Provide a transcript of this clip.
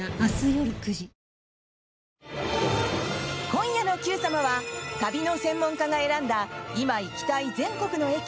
今夜の「Ｑさま！！」は旅の専門家が選んだ今、行きたい全国の駅